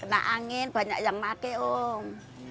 kena angin banyak yang pakai om